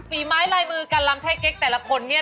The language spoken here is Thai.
ฝีไม้ลายมือการลำไท่เก๊กแต่ละคนเนี่ย